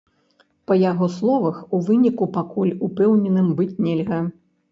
Па яго словах, у выніку пакуль упэўненым быць нельга.